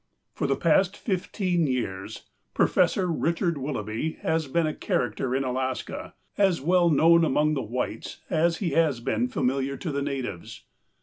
" For the past fifteen years Prof. Richard Willoughby has been a character in Alaska as well known among the whites as he has been familiar to the natives.